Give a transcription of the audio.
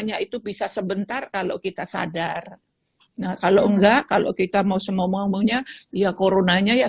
nya itu bisa sebentar kalau kita sadar nah kalau enggak kalau kita mau semomonya ya coronanya ya